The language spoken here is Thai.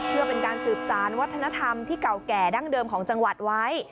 เพื่อเป็นการสืบสารวัฒนธรรมที่เก่าแก่ดั้งเดิมของจังหวัดไว้